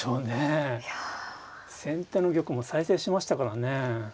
先手の玉も再生しましたからね。